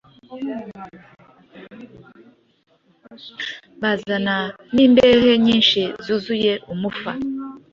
bazana n'imbehe nyinshi zuzuye umufa